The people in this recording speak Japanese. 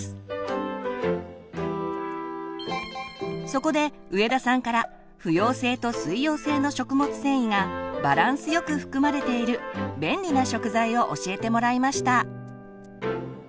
そこで上田さんから不溶性と水溶性の食物繊維がバランスよく含まれている便利な食材を教えてもらいました。